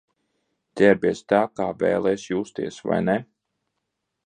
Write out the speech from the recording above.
Ģērbies tā, kā vēlies justies, vai ne?